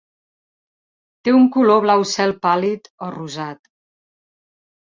Té un color blau cel pàl·lid o rosat.